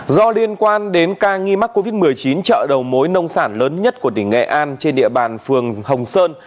do liên quan đến ca nghi mắc covid một mươi chín chợ đầu mối nông sản lớn nhất của tỉnh nghệ an trên địa bàn phường hồng sơn